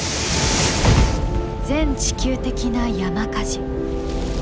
全地球的な山火事。